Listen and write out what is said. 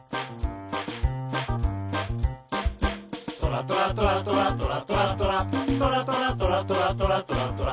「トラトラトラトラトラトラトラ」「トラトラトラトラトラトラトラ」